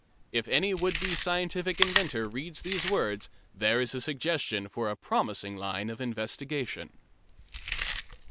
If any would be scientific inventor reads these words there is a suggestion for a promising line of investigation.